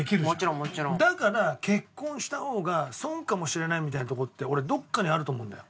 だから結婚した方が損かもしれないみたいなとこって俺どっかにあると思うんだよ。